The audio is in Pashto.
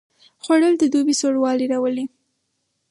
خوړل د دوبي سوړ والی راولي